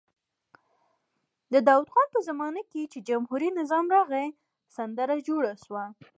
د داود خان په زمانه کې چې جمهوري نظام راغی سندره جوړه شوه.